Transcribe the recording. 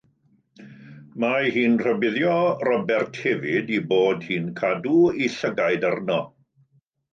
Mae hi'n rhybuddio Robert hefyd ei bod hi'n cadw ei llygaid arno.